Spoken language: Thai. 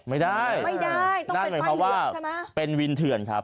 ไม่ได้นั่นหมายความว่าเป็นวินเถื่อนครับ